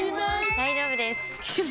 大丈夫です！